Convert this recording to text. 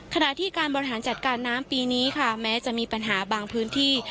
ขณะที่การบริหารจัดการน้ำปีนี้ค่ะแม้จะมีปัญหาบางพื้นที่